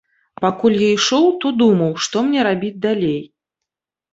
Пакуль я ішоў, то думаў, што мне рабіць далей.